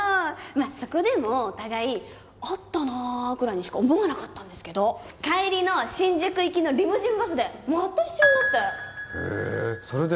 そこでもお互い「会ったな」くらいにしか思わなかったんですけど帰りの新宿行きのリムジンバスでまた一緒になってへえそれで？